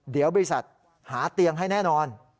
เดี๋ยวบริษัทหาเตียงให้แน่นอน